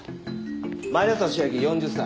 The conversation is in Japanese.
前田俊明４０歳。